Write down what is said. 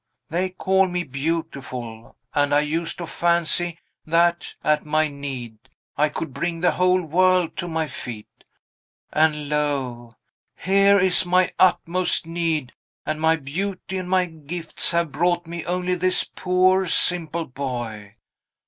They call me beautiful; and I used to fancy that, at my need, I could bring the whole world to my feet. And lo! here is my utmost need; and my beauty and my gifts have brought me only this poor, simple boy.